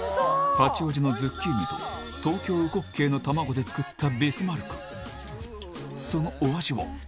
八王子のズッキーニと東京うこっけいの卵で作ったビスマルクそのお味は？